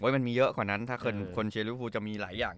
มันมีเยอะกว่านั้นถ้าคนเชียร์ริวภูจะมีหลายอย่าง